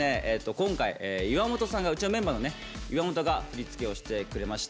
今回岩本さんがうちのメンバーの岩本が振り付けをしてくれました。